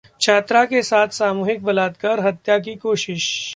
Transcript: छात्रा के साथ सामूहिक बलात्कार, हत्या की कोशिश